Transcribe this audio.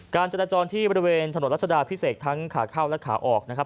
การจราจรที่บริเวณถนนรัชดาพิเศษทั้งขาเข้าและขาออกนะครับ